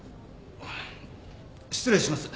失礼します。